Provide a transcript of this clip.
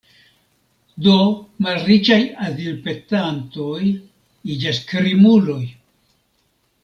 Do malriĉaj azilpetantoj iĝas krimuloj.